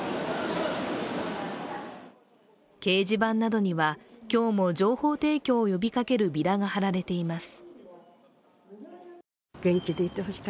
掲示板などには今日も、情報提供を呼びかけるビラが貼られています。